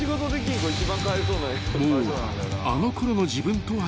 ［もうあのころの自分とは違う］